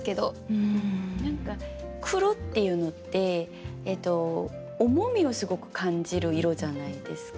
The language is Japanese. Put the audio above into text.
何か「黒」っていうのって重みをすごく感じる色じゃないですか。